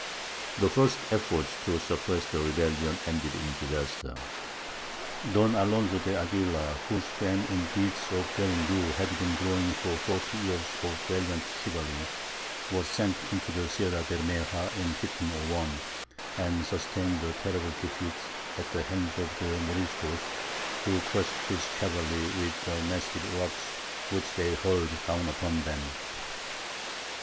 The first effort to suppress the rebellion ended in disaster. Don Alonzo de Aguilar, whose fame in deeds of derring do had been growing for forty years of valiant chivalry, was sent into the Sierra Bermeja in 1501, and sustained a terrible defeat at the hands of the Moriscos, who crushed his cavalry with the massive rocks which they hurled down upon them.